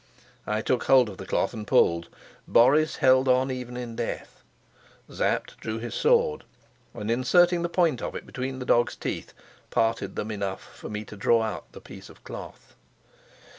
I took hold of the cloth and pulled. Boris held on even in death. Sapt drew his sword, and, inserting the point of it between the dog's teeth, parted them enough for me to draw out the piece of cloth.